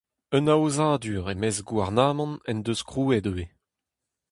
Un aozadur e-maez gouarnamant en deus krouet ivez.